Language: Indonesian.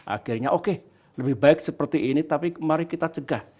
akhirnya oke lebih baik seperti ini tapi mari kita cegah